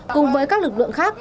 cùng với các lực lượng khác